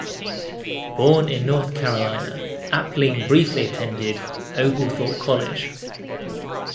Born in North Carolina, Appling briefly attended Oglethorpe College.